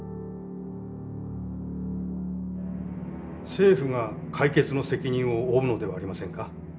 政府が解決の責任を負うのではありませんか。